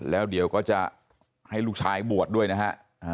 แล้วเดี๋ยวก็จะให้ลูกชายบวชด้วยนะฮะ